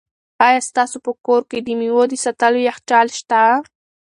آیا ستاسو په کور کې د مېوو د ساتلو یخچال شته؟